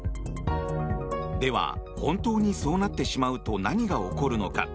では、本当にそうなってしまうと何が起こるのか。